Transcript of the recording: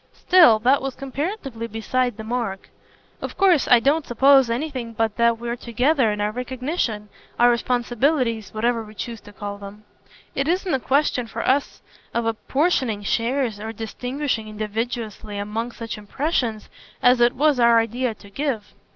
Still, that was comparatively beside the mark. "Of course I don't suppose anything but that we're together in our recognitions, our responsibilities whatever we choose to call them. It isn't a question for us of apportioning shares or distinguishing invidiously among such impressions as it was our idea to give."